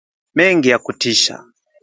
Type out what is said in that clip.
Mengi ya kutisha